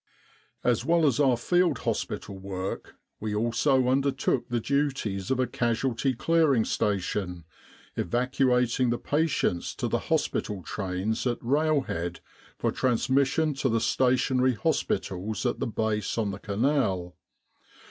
"As well as our field hospital work we also undertook the duties of a Casualty Clearing Station, evacuating the patients to the hospital trains at rail head for transmission to the Stationary Hospitals at the base on the Canal.